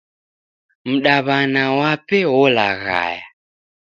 Mdaw'ana wape orelaghaya.